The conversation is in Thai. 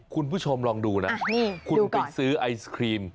คุณผู้ชมลองดูนะคุณไปซื้อไอศครีม